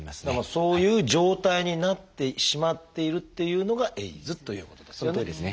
そういう状態になってしまっているっていうのがＡＩＤＳということですよね。